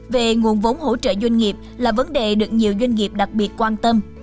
về nguồn vốn hỗ trợ doanh nghiệp là vấn đề được nhiều doanh nghiệp đặc biệt quan tâm